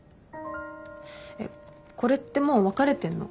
えっこれってもう別れてんの？